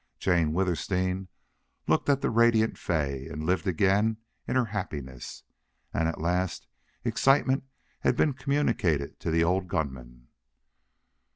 Jane Withersteen looked at the radiant Fay and lived again in her happiness. And at last excitement had been communicated to the old gun man.